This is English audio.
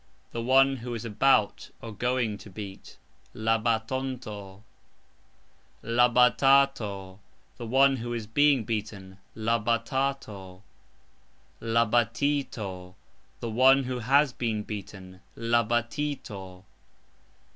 The one who is about (going) to beat. La batato ....... The one who is being beaten. La batito ....... The one who has been beaten. La batoto